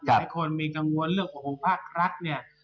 หลายคนมีกังวลเรื่องของภาครัฐเนี่ย